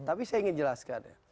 tapi saya ingin jelaskan